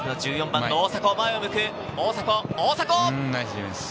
１４番の大迫、前を向く大迫！